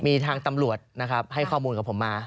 มีทางตำรวจนะครับให้ข้อมูลกับผมมา